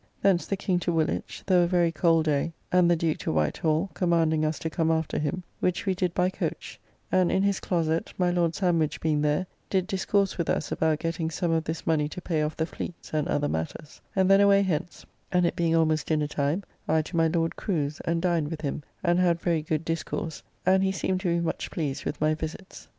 Thence the King to Woolwich, though a very cold day; and the Duke to White Hall, commanding us to come after him, which we did by coach; and in his closett, my Lord Sandwich being there, did discourse with us about getting some of this money to pay off the Fleets, and other matters; and then away hence, and, it being almost dinner time, I to my Lord Crew's, and dined with him, and had very good discourse, and he seemed to be much pleased with my visits.